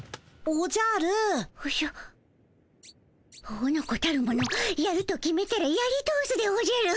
おのこたるものやると決めたらやり通すでおじゃる。